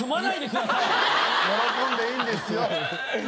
喜んでいいんですよ。